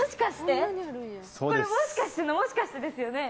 これもしかしてのもしかしてですよね？